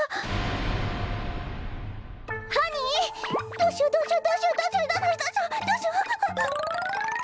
どうしようどうしよう！